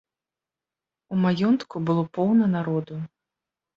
У маёнтку было поўна народу.